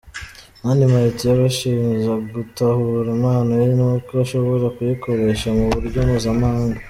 Mani Martin yabashije gutahura impano ye n’uko ashobora kuyikoresha mu buryo mpuzamahanga.